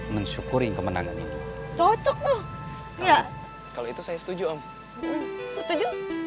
mensyukuri kemenangan ini cocok kalau itu saya setuju